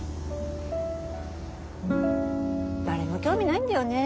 誰も興味ないんだよね